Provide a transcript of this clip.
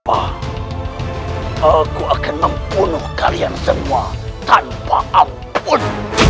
aku akan membunuh kalian semua tanpa ampun